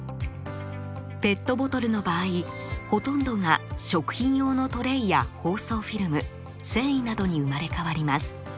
ペットボトルの場合ほとんどが食品用のトレイや包装フィルム繊維などに生まれ変わります。